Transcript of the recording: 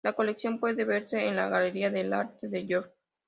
La colección puede verse en la Galería de Arte de York.